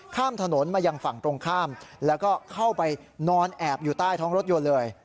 ข้ามถนนมายังฝั่งตรงข้ามแล้วก็เข้าไปนอนแอบอยู่ใต้ท้องรถยนต์เลย